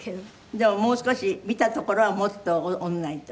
でももう少し見たところはもっと折らないと？